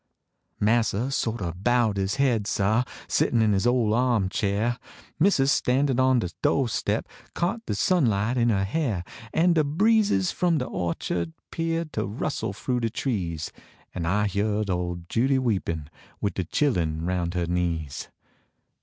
Massa so t o bowed his haid, sah, vSittin in is ole ahm chair ; Missus, standin on de do step Caught de sunlight in her hair ; An de breezes from de orchard Teared to rustle froo de trees, Kn 1 h vard old Judy weepin \Vid de chillun roun her knees.